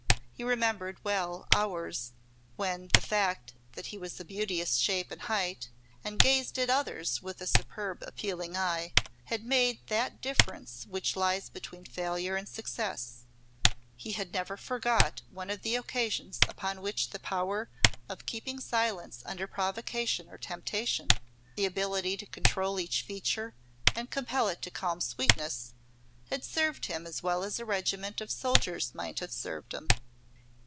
He remembered well hours, when the fact that he was of a beauteous shape and height, and gazed at others with a superb appealing eye, had made that difference which lies between failure and success; he had never forgot one of the occasions upon which the power of keeping silence under provocation or temptation, the ability to control each feature and compel it to calm sweetness, had served him as well as a regiment of soldiers might have served him.